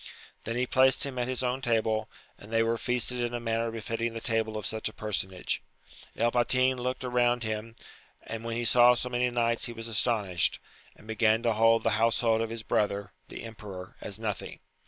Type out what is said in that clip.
Then he placed him at his own table, and they were feasted in a manner befitting the table of such a personage. El Patin looked round him, and when he saw so many knights he was astonished, and began to hold the household of his brother, the emperor, as nothing.